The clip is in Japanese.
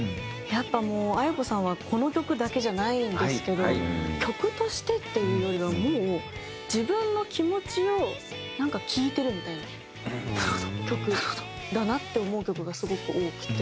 やっぱもうａｉｋｏさんはこの曲だけじゃないんですけど曲としてっていうよりはもう自分の気持ちを聴いてるみたいな曲だなって思う曲がすごく多くて。